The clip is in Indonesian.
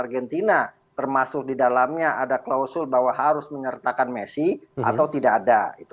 argentina termasuk di dalamnya ada klausul bahwa harus menyertakan messi atau tidak ada itu